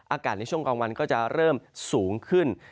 อากาศในช่วงกลางวันก็จะเริ่มสูงขึ้น